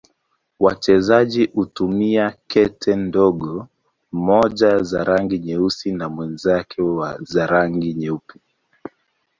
Wachezaji hutumia kete ndogo, mmoja za rangi nyeusi na mwenzake za rangi nyeupe.